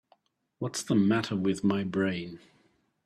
What's the matter with my brain?